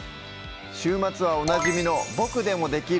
週末はおなじみの「ボクでもできる！